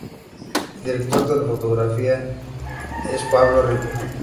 El director de fotografía es Pablo Ripoll.